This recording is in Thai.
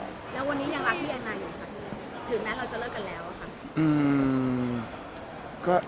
แล้ววันนี้ยังรักพี่อันนั้นอยู่ครับถึงแม้เราจะเลิกกันแล้ว